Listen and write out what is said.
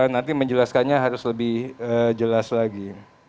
nanti menjelaskannya harus lebih jelas lagi